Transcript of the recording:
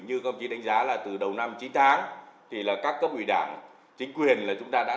như các ông chí đánh giá là từ đầu năm chín tháng thì là các cấp ủy đảng chính quyền là chúng ta đã